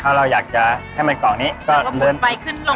ถ้าเราอยากจะให้มันกล่องนี้ก็ลื่นแล้วก็หมุนไปขึ้นลงขึ้นลง